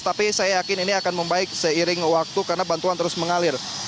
tapi saya yakin ini akan membaik seiring waktu karena bantuan terus mengalir